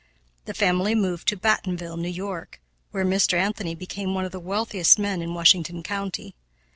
The family moved to Battenville, N.Y., where Mr. Anthony became one of the wealthiest men in Washington County.